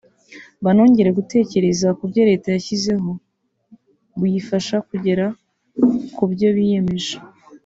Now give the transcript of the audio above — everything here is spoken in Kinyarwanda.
banongere gutekereza ku buryo leta yashyizeho buyifasha kugera ku byo yiyemeje